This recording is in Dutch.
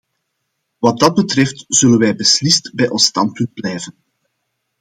Wat dat betreft zullen wij beslist bij ons standpunt blijven.